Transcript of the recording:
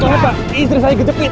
ada ada pak ada